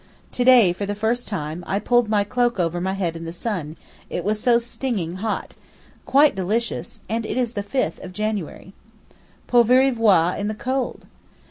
To day, for the first time, I pulled my cloak over my head in the sun, it was so stinging hot—quite delicious, and it is the 5th of January. Poveri voi in the cold!